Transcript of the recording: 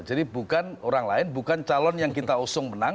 bukan orang lain bukan calon yang kita usung menang